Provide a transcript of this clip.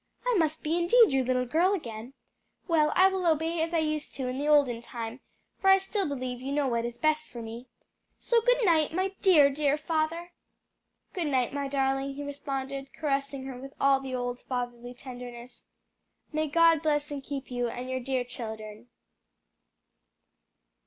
"I must be indeed your little girl again. Well, I will obey as I used to in the olden time, for I still believe you know what is best for me. So good night, my dear, dear father!" "Good night, my darling," he responded, caressing her with all the old, fatherly tenderness. "May God bless and keep you and your dear children."